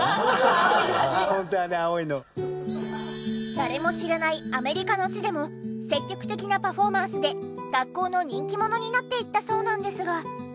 誰も知らないアメリカの地でも積極的なパフォーマンスで学校の人気者になっていったそうなんですが。